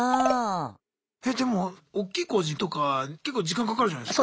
えでもおっきい工事とか結構時間かかるじゃないすか。